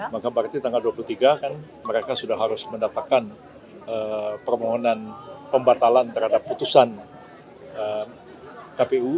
maka berarti tanggal dua puluh tiga kan mereka sudah harus mendapatkan permohonan pembatalan terhadap putusan kpu